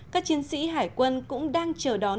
các chiến sĩ hải quân cũng đang chờ đón